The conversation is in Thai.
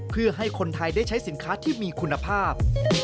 เพื่อให้คนไทยได้ใช้สินค้าที่มีคุณภาพ